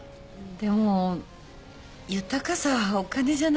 でも豊かさはお金じゃなくても。